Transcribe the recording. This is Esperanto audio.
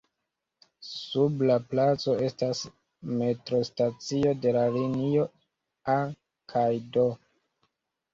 Sub la placo estas metrostacio de la linioj "A" kaj "D".